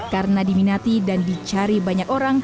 karena diminati dan dicari banyak orang